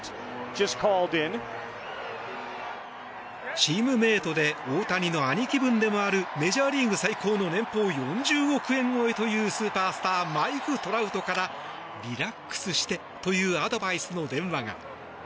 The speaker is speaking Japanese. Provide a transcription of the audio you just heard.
チームメートで大谷の兄貴分でもあるメジャーリーグ最高の年俸４０億円超えというスーパースターマイク・トラウトからリラックスしてというアドバイスの電話が。